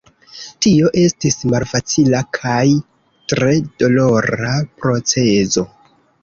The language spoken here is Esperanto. Tio estis malfacila kaj tre dolora procezo.